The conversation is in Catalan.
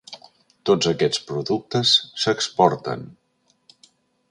Tots aquests productes s'exporten.